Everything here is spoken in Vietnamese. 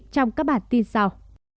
trong các bản tin sau